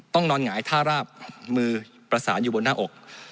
นอนหงายท่าราบมือประสานอยู่บนหน้าอก